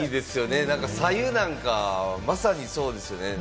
白湯なんか、まさにですよね。